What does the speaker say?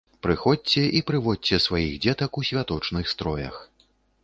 Прыходзьце і прыводзьце сваіх дзетак у святочных строях.